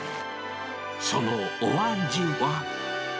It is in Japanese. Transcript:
そのお味は。